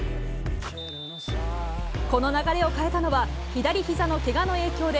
この流れを変えたのは、左ひざのけがの影響で、